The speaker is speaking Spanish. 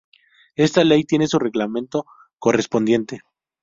Esta ley tiene su reglamento correspondiente.